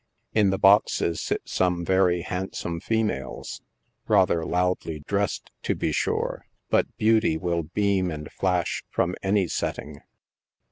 In the boxes sit some very handsome females — rather loudly dress ed, to be sure — but beauty will beam and flash from any setting.